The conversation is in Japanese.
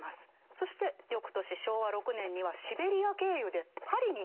そして翌年昭和６年にはシベリア経由でパリに行ってるんですよね。